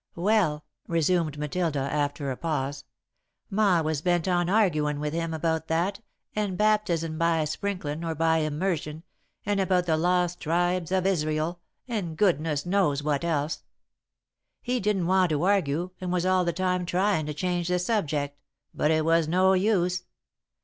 "Well," resumed Matilda, after a pause, "Ma was bent on arguin' with him, about that, and baptisin' by sprinklin' or by immersion, and about the lost tribes of Israel, and goodness knows what else. He didn't want to argue, and was all the time tryin' to change the subject, but it was no use.